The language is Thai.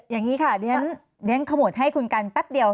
อย่างนี้ค่ะเรียนขโมดให้คุณกันแป๊บเดียว